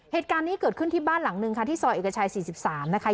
เหตุการณ์นี้เกิดขึ้นที่บ้านหลังนึงค่ะที่ซอยเอกชัย๔๓นะคะ